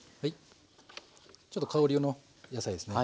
ちょっと香りの野菜ですね。